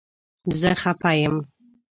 زه خپه یم